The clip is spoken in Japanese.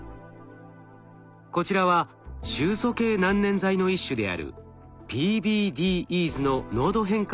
こちらは臭素系難燃剤の一種であるＰＢＤＥｓの濃度変化を追ったグラフです。